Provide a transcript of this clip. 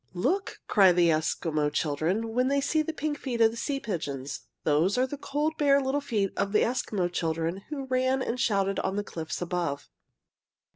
"Look!" cry the Eskimo children, when they see the pink feet of the sea pigeons, "those are the cold, bare little feet of the Eskimo children who ran and shouted on the cliffs above!"